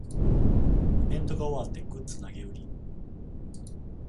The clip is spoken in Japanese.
イベントが終わってグッズ投げ売り